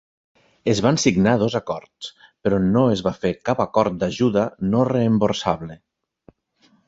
Es van signar dos acords, però no es va fer cap acord d'ajuda no reemborsable.